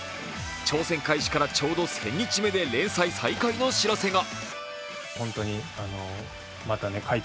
挑戦開始からちょうど１０００日目で連載再開の知らせが。